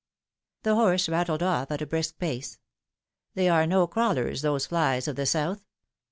The horse rattled off at a brisk pace. They are no crawlers, those flys of the South.